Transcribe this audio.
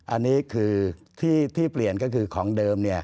อันนี้คือที่เปลี่ยนก็คือของเดิม